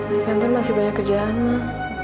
di kantor masih banyak kerjaan mah